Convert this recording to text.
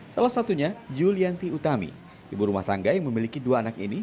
salah satunya yulianti utami ibu rumah tangga yang memiliki dua anak ini